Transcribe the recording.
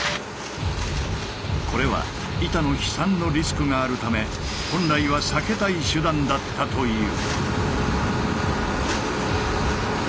これは板の飛散のリスクがあるため本来は避けたい手段だったという。